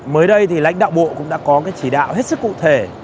mới đây thì lãnh đạo bộ cũng đã có cái chỉ đạo hết sức cụ thể